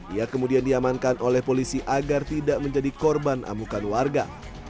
ia kemudian diamankan oleh polisi agar tidak menjadi korban amukan warga